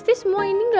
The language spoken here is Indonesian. udah selicik lo ya